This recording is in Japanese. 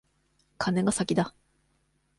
カネが先だ。